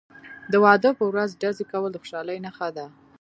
د واده په ورځ ډزې کول د خوشحالۍ نښه ده.